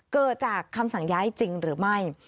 เกิดจากคำสั่งย้ายจริงหรือไม่